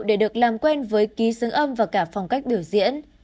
để được làm quen với ký xứng âm và cả phong cách biểu diễn